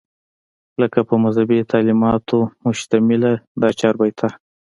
لکه پۀ مذهبي تعليماتو مشتمله دا چاربېته